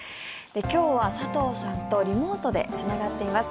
今日は佐藤さんとリモートでつながっています。